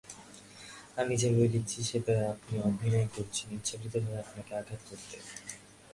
আমি যেভাবে লিখেছি সেভাবে আপনি অভিনয় করছেন ইচ্ছাকৃতভাবে আপনাকে আঘাত করতে।